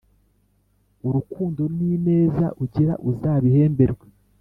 Urukundo n’ineza ugira uzabihemberwe